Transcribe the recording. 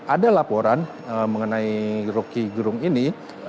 ada laporan mengenai rocky gerung ini